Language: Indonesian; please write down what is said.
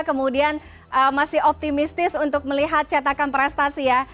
kemudian masih optimistis untuk melihat cetakan prestasi ya